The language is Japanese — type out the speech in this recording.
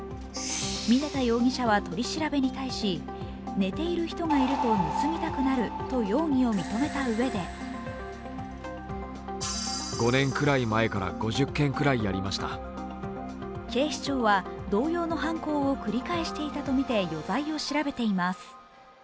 峯田容疑者は取り調べに対し寝ている人がいると盗みたくなると容疑を認めたうえで警視庁は同様の犯行を繰り返していたとみて余罪を調べています。